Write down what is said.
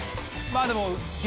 まぁでも。